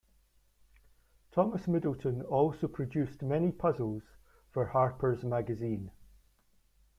Thomas Middleton also produced many puzzles for "Harpers Magazine".